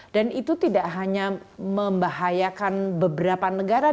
dan itu tidak hanya membahayakan beberapa negara